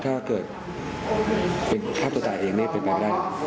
ถ้าเขาเป็นฆ่าตัวตายเองได้ยังเป็นไปแล้ว